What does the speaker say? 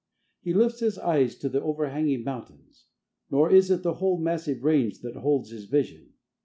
He lifts his eyes to the overhanging mountains. Nor is it the whole massive range that holds his vision.